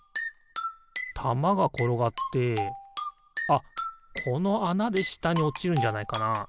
たまがころがってあっこのあなでしたにおちるんじゃないかな？